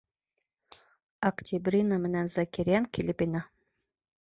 Октябрина менән Зәкирйән килеп инә.